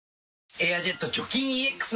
「エアジェット除菌ＥＸ」